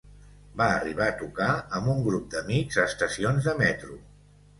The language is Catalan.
Va arribar a tocar amb un grup d'amics a estacions de metro.